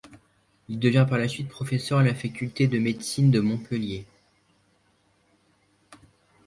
Il devient par la suite professeur à la faculté de médecine de Montpellier.